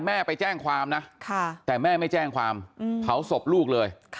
แม่ไปแจ้งความนะแต่แม่ไม่แจ้งความเผาศพลูกเลย